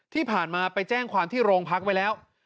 ที่ผ่านมาไปแจ้งความที่โรงพักไว้แล้ว